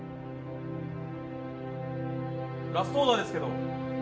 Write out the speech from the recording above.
ラストオーダーですけど。